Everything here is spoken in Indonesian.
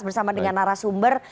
bersama dengan arah sumber